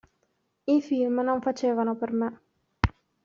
I film non facevano per me.